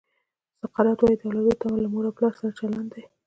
سقراط وایي د اولادونو تمه له مور او پلار سره چلند دی.